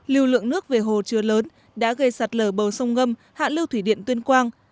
lưu lượng nước về hồ chứa lớn đã gây sạt lở bờ sông ngâm hạ lưu thủy điện tuyên quang